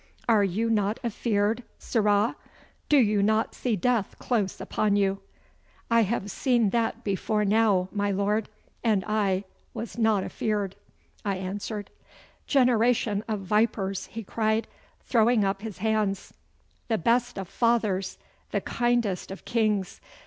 Are you not afeared, sirrah? Do you not see death close upon you?' 'I have seen that before now, my Lord, and I was not afeared,' I answered. 'Generation of vipers!' he cried, throwing up his hands. 'The best of fathers! The kindest of kings!